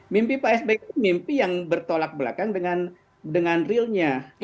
mimpi pak sby mimpi yang bertolak belakang dengan realnya